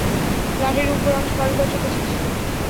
লাঠির উপরাংশ কারুকার্য খচিত ছিল।